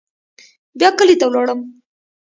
بيا کلي ته ولاړم.